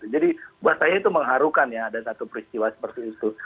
jadi buat saya itu mengharukan ya ada satu peristiwa seperti itu